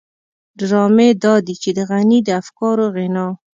ډرامې دادي چې د غني د افکارو غنا.